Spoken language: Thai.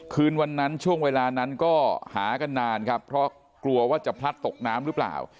คืนวันนั้นช่วงเวลานั้นก็หากันนานครับเพราะกลัวว่าจะพลัดตกน้ำหรือเปล่า